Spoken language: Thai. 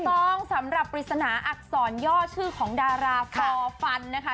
สำหรับปริศนาอักษรย่อชื่อของดาราฟอร์ฟันนะคะ